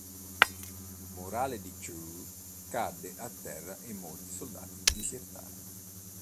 Il morale Chu cadde a terra e molti soldati disertarono.